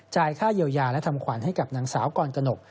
ค่าเยียวยาและทำขวัญให้กับนางสาวกรกนก